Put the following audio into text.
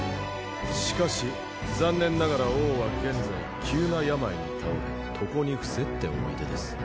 しかし残念ながら王は現在急な病に倒れ床にふせっておいでです。